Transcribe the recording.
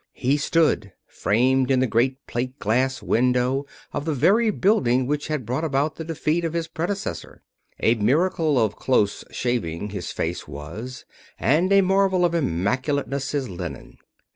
He stood framed in the great plate glass window of the very building which had brought about the defeat of his predecessor. A miracle of close shaving his face was, and a marvel of immaculateness his linen.